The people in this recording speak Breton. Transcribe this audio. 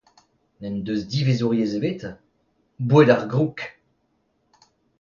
N'en deus divezouriezh ebet ? Boued ar groug !